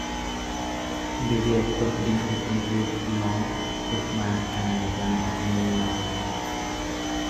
Baby actors in it included Lorne Sussman and Megan Milner.